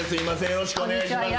よろしくお願いします。